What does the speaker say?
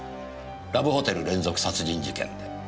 ラブホテル連続殺人事件で。